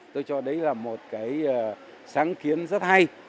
tôi cho đấy là một cái sáng kiến rất hay